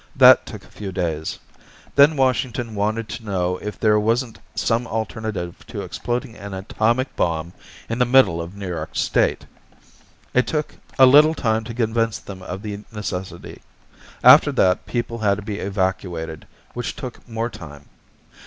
That took a few days. Then Washington wanted to know if there wasn't some alternative to exploding an atomic bomb in the middle of New York State. It took a little time to convince them of the necessity. After that, people had to be evacuated, which took more time.